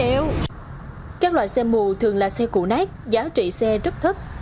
đối với các loại xe mù thường là xe củ nát giá trị xe rất thấp